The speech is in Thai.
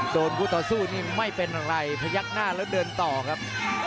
คู่ต่อสู้นี่ไม่เป็นอะไรพยักหน้าแล้วเดินต่อครับ